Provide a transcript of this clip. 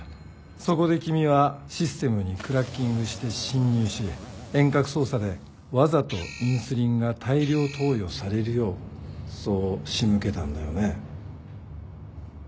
そこで君はシステムにクラッキングして侵入し遠隔操作でわざとインスリンが大量投与されるようそう仕向けたんだよね。